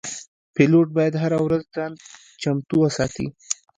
پیلوټ باید هره ورځ ځان چمتو وساتي.